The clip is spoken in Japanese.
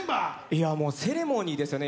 いやもうセレモニーですよね。